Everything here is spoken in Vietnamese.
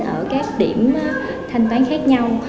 ở các điểm thanh toán khác nhau